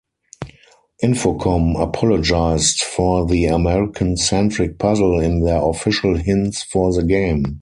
Infocom apologized for the American-centric puzzle in their official hints for the game.